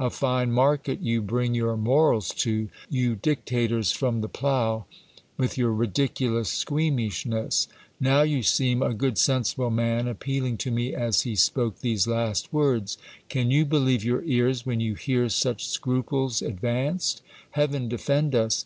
A fine market you bring your morals to, you dic tators from the plough, with your ridiculous squeamishness ! Now you seem a good sensible man, appealing to me as he spoke these last words. Can you believe your ears when you hear such scruples advanced ? Heaven defend us